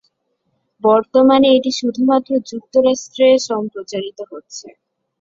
বর্তমানে এটি শুধুমাত্র যুক্তরাষ্ট্রে সম্প্রচারিত হচ্ছে।